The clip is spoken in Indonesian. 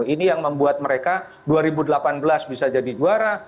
ini yang membuat mereka dua ribu delapan belas bisa jadi juara